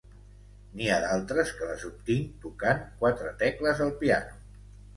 N'hi ha d'altres que les obtinc tocant quatre tecles al piano.